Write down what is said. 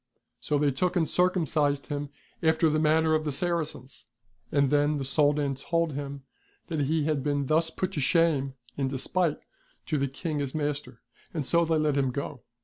So they took and circumcised him after the manner of the Saracens. And then the Soldan told him that he had been thus put to shame in despite to the King his master. And so they let him go.